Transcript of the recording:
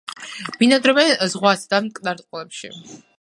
ბინადრობენ ზღვასა და მტკნარ წყლებში.